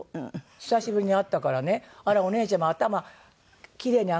久しぶりに会ったからね「あらお姉ちゃま頭キレイに上がったわ」。